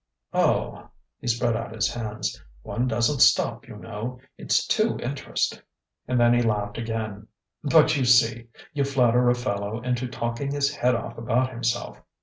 "Oh" he spread out his hands "one doesn't stop, you know. It's too interesting!" And then he laughed again. "But, you see, you flatter a fellow into talking his head off about himself!